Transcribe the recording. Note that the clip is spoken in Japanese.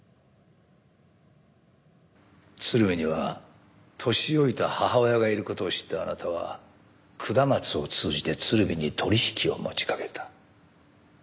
鶴見には年老いた母親がいる事を知ったあなたは下松を通じて鶴見に取引を持ちかけた。